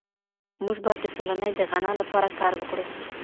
موږ بايد د ټولني د غنا لپاره کار وکړو.